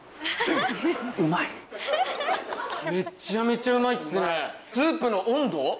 めっちゃめちゃうまいっすね！